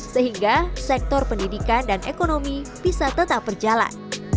sehingga sektor pendidikan dan ekonomi bisa tetap berjalan